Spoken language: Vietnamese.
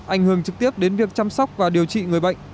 ảnh hưởng trực tiếp đến việc chăm sóc và điều trị người bệnh